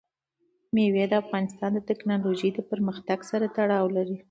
مېوې د افغانستان د تکنالوژۍ پرمختګ سره تړاو لري.